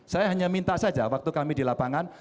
saya hanya minta saja waktu kami di lapangan